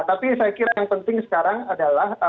tapi saya kira yang penting sekarang adalah